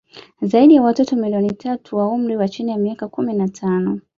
Zaidi ya watoto milioni tatu wa umri wa chini ya miaka kumi na tano